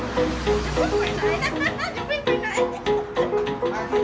ทุกที่ว่าใช่ไหม